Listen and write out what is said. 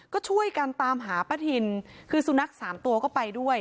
ก็ช่วยกันตามหาป้าทินคือสุนัขสามตัวก็ไปด้วย